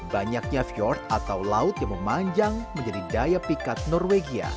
banyaknya fjord atau laut yang memanjang menjadi daya pikat norwegia